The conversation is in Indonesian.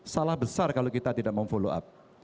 salah besar kalau kita tidak mau follow up